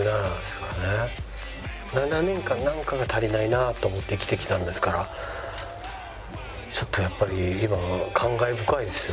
７年間なんかが足りないなと思って生きてきたんですからちょっとやっぱり今感慨深いですよ。